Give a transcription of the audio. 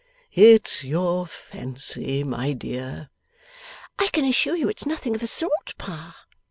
'It's your fancy, my dear.' 'I can assure you it's nothing of the sort, Pa!